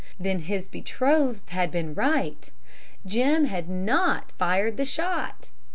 Then his betrothed had been right; Jim had not fired the shot!